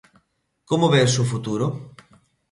Como ves o futuro?